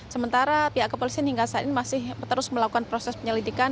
sementara pihak kepolisian hingga saat ini masih terus melakukan proses penyelidikan